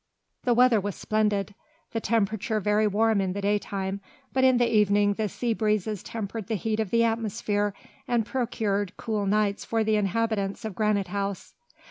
The weather was splendid, the temperature very warm in the day time; but in the evening the sea breezes tempered the heat of the atmosphere and procured cool nights for the inhabitants of Granite House.